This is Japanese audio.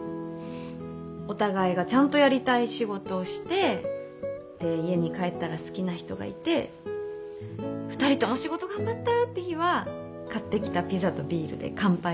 お互いがちゃんとやりたい仕事をしてで家に帰ったら好きな人がいて２人とも仕事頑張ったって日は買ってきたピザとビールで乾杯してさ。